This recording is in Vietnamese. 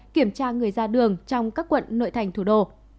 kiểm tra người ra đường trong các quận nội thành thủ đô